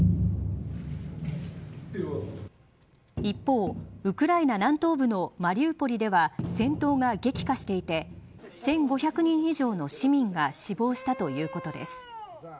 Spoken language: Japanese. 一方、ウクライナ南東部のマリウポリでは戦闘が激化していて１５００人以上の市民が死亡したということです。